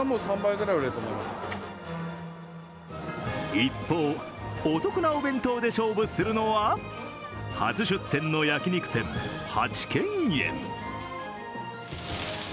一方、お得なお弁当で勝負するのは初出店の焼き肉店、八軒苑。